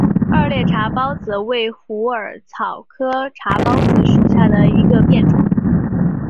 三裂茶藨子为虎耳草科茶藨子属下的一个变种。